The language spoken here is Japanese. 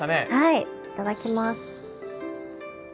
いただきます。